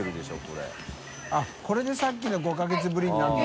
△これでさっきの５か月ぶりになるの？